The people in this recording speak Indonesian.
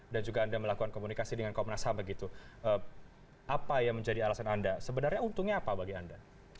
dan juga anda melakukan komunikasi dengan komunasah begitu apa yang menjadi alasan anda sebenarnya untungnya apa bagi anda